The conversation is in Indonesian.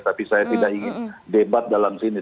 tapi saya tidak ingin debat dalam sini